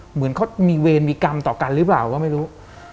เหมือนเขามีเวรมีกรรมต่อกันหรือเปล่าก็ไม่รู้